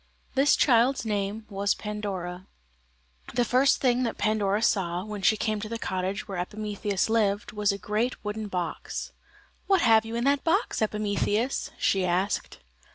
This child's name was Pandora. The first thing that Pandora saw, when she came to the cottage where Epimetheus lived, was a great wooden box. "What have you in that box, Epimetheus?" she asked.